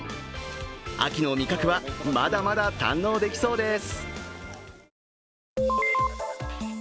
秋の味覚はまだまだ堪能できそうです。